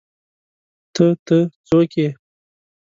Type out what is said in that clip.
_ته، ته، څوک يې؟